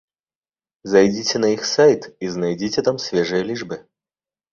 Зайдзіце на іх сайт і знайдзіце там свежыя лічбы.